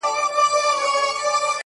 داسي يوه چا لكه سره زر تر ملا تړلى يم.